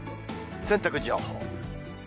洗濯情報。